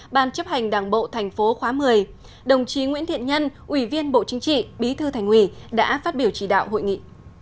ban chấp hành đảng bộ thành phố khóa một mươi đồng chí nguyễn thiện nhân ủy viên bộ chính trị bí thư thành ủy đã phát biểu chỉ đạo hội nghị